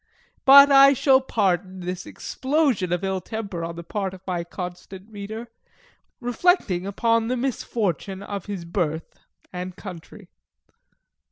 But I shall pardon this explosion of ill temper on the part of my constant reader, reflecting upon the misfortune of his birth and country.